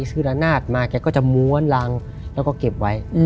ซื้อละนาดมาแกก็จะม้วนรังแล้วก็เก็บไว้